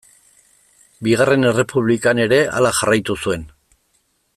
Bigarren Errepublikan ere hala jarraitu zuen.